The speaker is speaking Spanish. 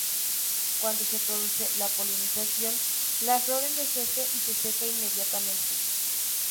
Cuando se produce la polinización, la flor envejece y se seca inmediatamente.